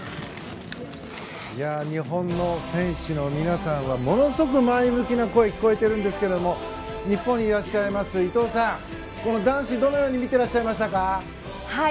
日本選手の皆さんからはすごく前向きな声が聞こえているんですが日本にいらっしゃいます伊藤さん、男子どのように見ていらっしゃいましたか？